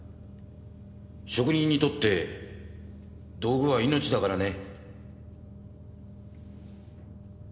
職人にとって道具は命だからね。